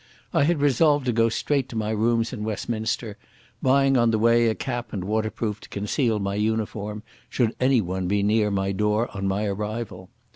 I had resolved to go straight to my rooms in Westminster, buying on the way a cap and waterproof to conceal my uniform should anyone be near my door on my arrival.